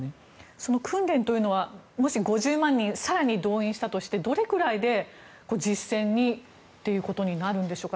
その訓練は、もし５０万人更に動員したとしてどれぐらいで実戦にということになるんでしょうか。